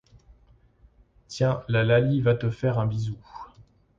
Tiens, la Laly va te faire un bisou.